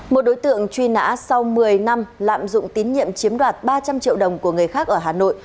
một đối tượng truy nã sau một mươi năm lạm dụng tín nhiệm chiếm đoạt ba trăm linh triệu đồng của người khác ở hà nội